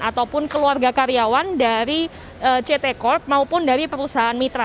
ataupun keluarga karyawan dari ct corp maupun dari perusahaan mitra